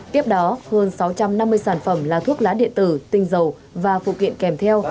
tiếp đó hơn sáu trăm năm mươi sản phẩm là thuốc lá điện tử tinh dầu và phụ kiện kèm theo